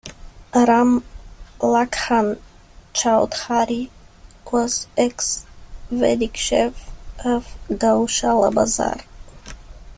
Ram Lakhan Chaudhary was ex-vdc chief of Gaushala Bazar.